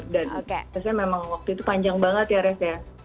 dan memang waktu itu panjang banget ya res ya